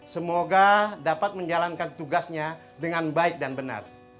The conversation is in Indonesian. semoga dapat menjalankan tugasnya dengan baik dan benar